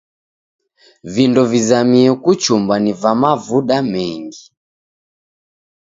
Vindo vizamie kuchumba ni va mavuda mengi.